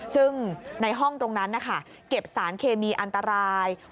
ซึ่งในห้องตรงนั้นนะคะเก็บสารเคมีอันตราย